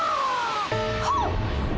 はっ！